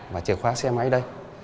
và chìa khóa xe máy đây